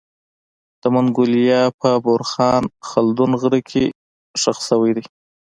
د منګولیا په بورخان خلدون غره کي خښ سوی دی